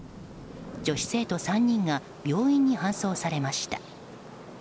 女子生徒３人が病院に搬送されました。